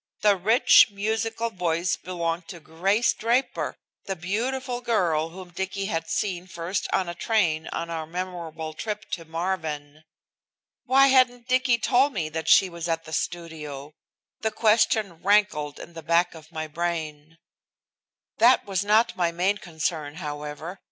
The rich, musical voice belonged to Grace Draper, the beautiful girl whom Dicky had seen first on a train on our memorable trip to Marvin. Why hadn't Dicky told me that she was at the studio? The question rankled in the back of my brain. That was not my main concern, however.